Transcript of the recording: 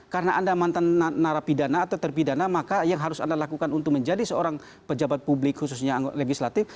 karena anda mantan narapidana atau terpidana maka yang harus anda lakukan untuk menjadi seorang pejabat publik khususnya legislatif